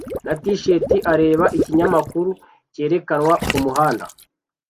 na t-shirt areba ikinyamakuru cyerekanwa kumuhanda